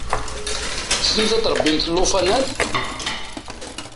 Tessnemt ad tṛebbimt llufanat?